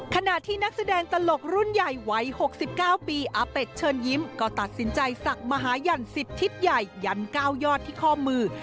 ขณะที่นักแสดงตลกรุ่นใหญ่วัย๖๙ปีอาเป็ดเชิญยิ้มก็ตัดสินใจศักดิ์มหายัน๑๐ทิศใหญ่ยัน๙ยอดที่ข้อมือ